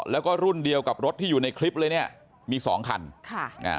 แล้วก็รุ่นเดียวกับรถที่อยู่ในคลิปเลยเนี้ยมีสองคันค่ะอ่า